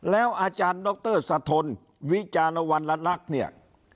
แล้วอาจารย์ดรสะทนวิจารณวรรณลักษณ์เนี่ย